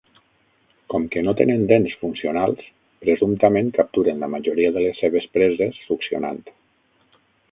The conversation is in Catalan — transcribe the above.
Com que no tenen dents funcionals, presumptament capturen la majoria de les seves preses succionant.